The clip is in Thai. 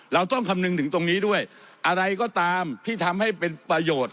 เราต้องคำนึงถึงตรงนี้ด้วยอะไรก็ตามที่ทำให้เป็นประโยชน์